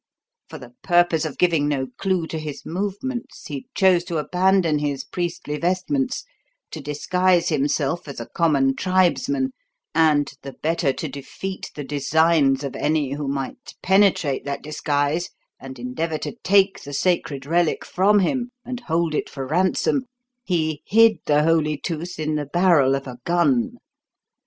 For the purpose of giving no clue to his movements, he chose to abandon his priestly vestments, to disguise himself as a common tribesman, and, the better to defeat the designs of any who might penetrate that disguise and endeavour to take the sacred relic from him and hold it for ransom, he hid the Holy Tooth in the barrel of a gun.